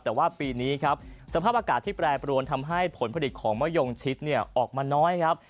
แต่ว่าปีนี้ครับสภาพอากาศที่แปรปรวนทำให้ผลผลิตของมะยงชิดออกมาน้อยครับ